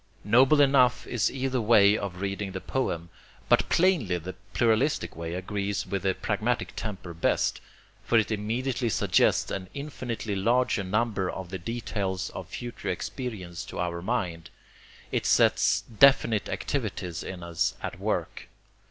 Noble enough is either way of reading the poem; but plainly the pluralistic way agrees with the pragmatic temper best, for it immediately suggests an infinitely larger number of the details of future experience to our mind. It sets definite activities in us at work.